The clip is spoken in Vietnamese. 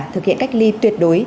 thực hiện cách ly tuyệt đối